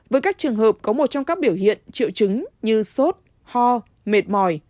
với các trường hợp có một trong các biểu hiện triệu chứng như sốt ho mệt mỏi